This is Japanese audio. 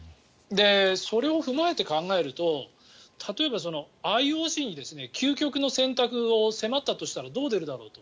それを踏まえて考えると例えば、ＩＯＣに究極の選択を迫ったとしたらどう出るだろうと。